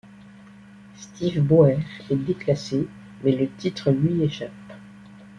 Steve Bauer est déclassé, mais le titre lui échappe.